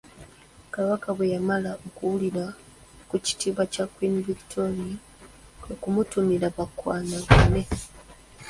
Kabaka bwe yamala okuwulira ku kitiibwa kya Queen Victoria, kwe kumutumira bakwanagane.